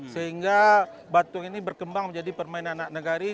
sehingga batu ini berkembang menjadi permainan anak negari